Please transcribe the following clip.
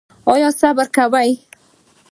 ایا صبر کوئ؟